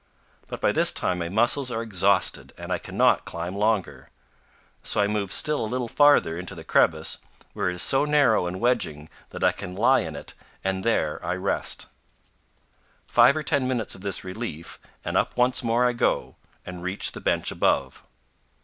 But by this time my muscles are exhausted, and I cannot climb longer; so I move still a little farther into the crevice, where it is so narrow and wedging that I can lie in it, and there FROM THE GRAND TO THE LITTLE COLORADO. 221 I rest. Five or ten minutes of this relief, and up once more I go, and reach the bench above.